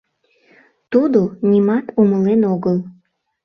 Тудо нимат умылен огыл.